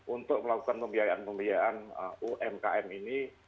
untuk melakukan pembiayaan pembiayaan umkm ini